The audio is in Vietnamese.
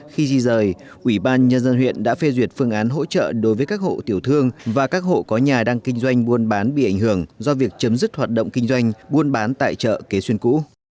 khi di rời ủy ban nhân dân huyện đã phê duyệt phương án hỗ trợ đối với các hộ tiểu thương và các hộ có nhà đang kinh doanh buôn bán bị ảnh hưởng do việc chấm dứt hoạt động kinh doanh buôn bán tại chợ kế xuyên cũ